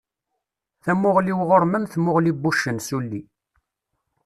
Tamuɣli-w ɣur-m am tmuɣli n wuccen s wulli.